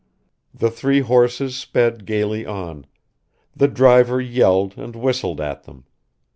The three horses sped gaily on; the driver yelled and whistled at them.